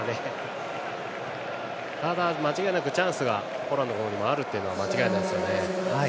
ただ、間違いなくチャンスがポーランドの方にもあるのは間違いないですね。